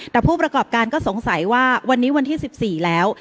แต่ผู้ประกอบการก็สงสัยว่าวันนี้วันที่๑๔แล้ว